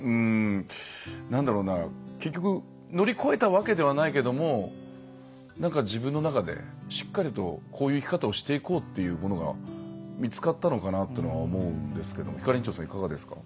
結局乗り越えたわけではないけども自分の中でしっかりとこういう生き方をしていこうっていうものが見つかったのかなっていうのは思うんですけどひかりんちょさん、いかがですか。